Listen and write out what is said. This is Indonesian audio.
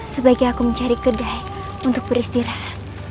sebaiknya aku mencari kedai untuk beristirahat